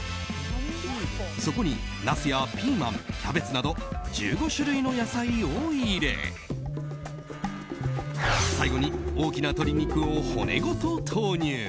そこにナスやピーマンキャベツなど１５種類の野菜を入れ最後に大きな鶏肉を骨ごと投入。